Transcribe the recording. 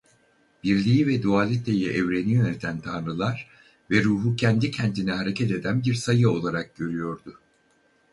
Birliği ve dualiteyi evreni yöneten tanrılar ve ruhu kendi kendine hareket eden bir sayı olarak görüyordu.